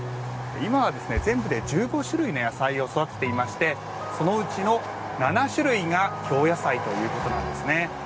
今は全部で１５種類の野菜を育てていましてそのうちの７種類が京野菜ということなんですね。